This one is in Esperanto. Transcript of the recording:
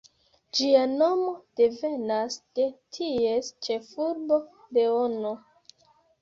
Ĝia nomo devenas de ties ĉefurbo Leono.